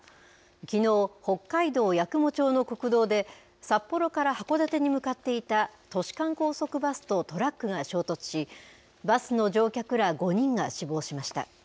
きのう、北海道八雲町の国道で、札幌から函館に向かっていた都市間高速バスとトラックが衝突し、バスの乗客ら５人が死亡しました。